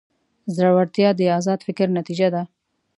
زړورتیا د ازاد فکر نتیجه ده.